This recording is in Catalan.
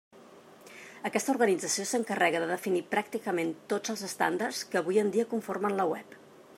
Aquesta organització s'encarrega de definir pràcticament tots els estàndards que avui en dia conformen la web.